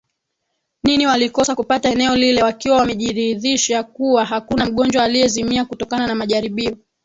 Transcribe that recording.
nini walikosa kupata eneo lile wakiwa wamejiridhisha kuwa hakuna mgonjwa aliezimia kutokana na majaribio